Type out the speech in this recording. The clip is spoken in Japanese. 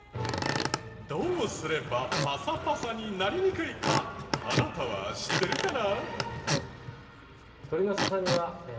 どうすればパサパサになりにくいかあなたは知ってるかな？